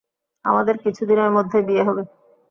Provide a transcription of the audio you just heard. আমদের কিছুদিনের মধ্যেই বিয়ে হবে।